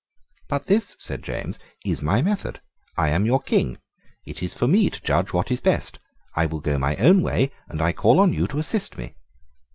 "But this," said James, "is my method. I am your King. It is for me to judge what is best. I will go my own way; and I call on you to assist me."